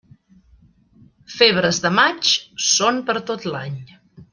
Febres de maig, són per tot l'any.